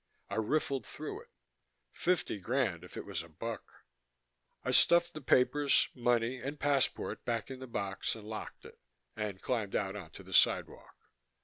I riffled through it: fifty grand if it was a buck. I stuffed the papers, money, and passport back in the box and locked it, and climbed out onto the sidewalk.